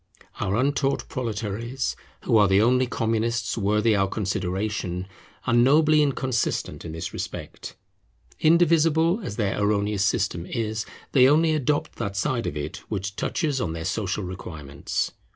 Our untaught proletaries, who are the only Communists worthy our consideration, are nobly inconsistent in this respect. Indivisible as their erroneous system is, they only adopt that side of it which touches on their social requirements.